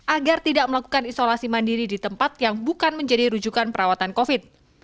agar tidak melakukan isolasi mandiri di tempat yang bukan menjadi rujukan perawatan covid